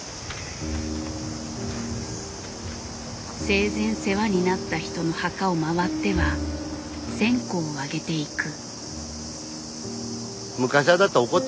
生前世話になった人の墓を回っては線香をあげていく。